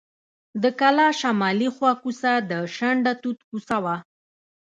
د کلا شمالي خوا کوڅه د شنډه توت کوڅه وه.